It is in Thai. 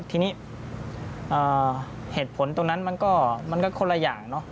ทีนี้เหตุผลตรงนั้นมันก็คนละอย่างเนอะ